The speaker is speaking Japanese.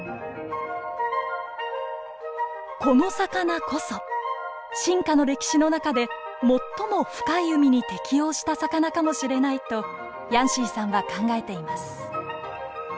この魚こそ進化の歴史の中で最も深い海に適応した魚かもしれないとヤンシーさんは考えています。